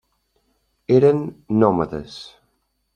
Eren nòmades.